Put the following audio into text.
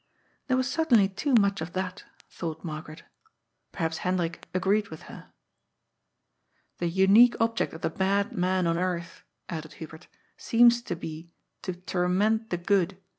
" There was certainly too much of that," thought Margaret. Perhaps Hendrik agreed with her. " The unique object of the bad men on earth," added Hubert, " seems to be to torment the good.